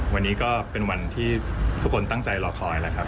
วันนี้ก็เป็นวันที่ทุกคนตั้งใจรอคอยแล้วครับ